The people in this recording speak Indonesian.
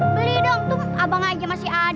beli dong tuh abang aja masih ada